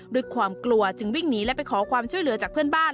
ด้วยความกลัวจึงวิ่งหนีและไปขอความช่วยเหลือจากเพื่อนบ้าน